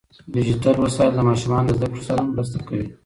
ډیجیټل وسایل ماشومان له زده کړو سره مرسته کوي.